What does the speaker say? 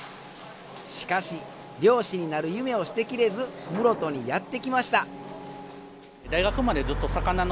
しかし漁師になる夢を捨てきれず室戸にやって来ました。